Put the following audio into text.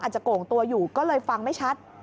โก่งตัวอยู่ก็เลยฟังไม่ชัด